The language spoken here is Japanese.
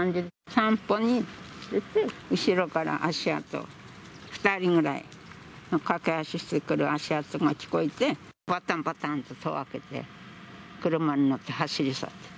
散歩に出て、後ろから足音、２人ぐらいの駆け足してくる足音が聞こえて、ばたんばたんと戸を開けて、車に乗って走り去っていった。